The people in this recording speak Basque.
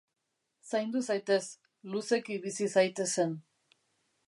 Zaindu zaitez, luzeki bizi zaitezen.